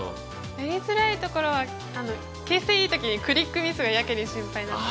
やりづらいところは形勢いい時にクリックミスがやけに心配になったり。